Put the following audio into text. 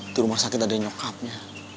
di rumah sakit ada nyokapnya